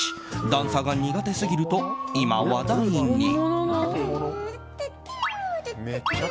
段差が苦手すぎると今、話題に。